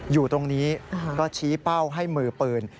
อยู่ตรงนี้ก็ชี้เป้าให้มือปืน